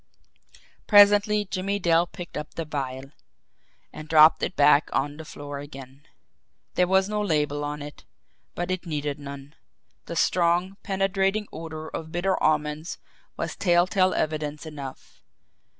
Presently Jimmie Dale picked up the vial and dropped it back on the floor again. There was no label on it, but it needed none the strong, penetrating odor of bitter almonds was telltale evidence enough.